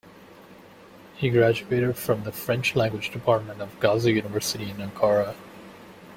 He graduated from the French Language Department of Gazi University in Ankara.